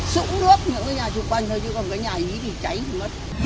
súng nước những cái nhà xung quanh thôi chứ còn cái nhà ý thì cháy thì mất